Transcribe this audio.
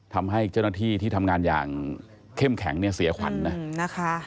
ทำให้เจ้าหน้าที่ที่ทำงานอย่างเข้มแข็งเนี่ยเสียขวัญนะนะคะ